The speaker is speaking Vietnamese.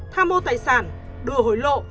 tham mô tài sản đùa hối lộ